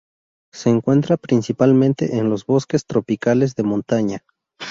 Se encuentra principalmente en los bosques tropicales de montaña.